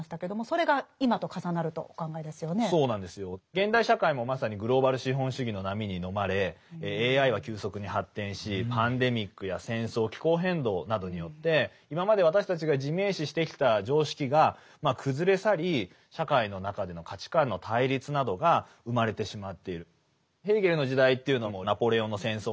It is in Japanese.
現代社会もまさにグローバル資本主義の波にのまれＡＩは急速に発展しパンデミックや戦争気候変動などによって今まで私たちが自明視してきた常識が崩れ去り社会の中での価値観の対立などが生まれてしまっている。